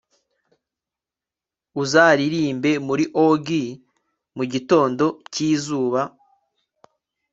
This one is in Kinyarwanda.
uzaririmbe muri orgy mugitondo cyizuba